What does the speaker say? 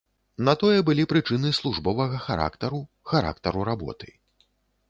На тое былі прычыны службовага характару, характару работы.